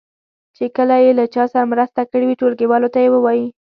چې کله یې له چا سره مرسته کړې وي ټولګیوالو ته یې ووایي.